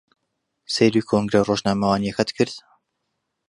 سەیری کۆنگرە ڕۆژنامەوانییەکەت کرد؟